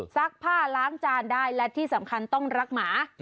ซักผ้าล้างจานได้และที่สำคัญต้องรักหมา